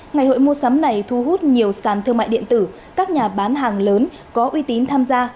ngày hội mua sắm này thu hút nhiều sàn thương mại điện tử các nhà bán hàng lớn có uy tín tham gia